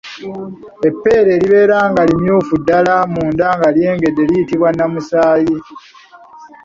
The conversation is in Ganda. Eppeera eribeera nga limyufu ddala munda nga lyengedde liyitibwa Nnamusaayi.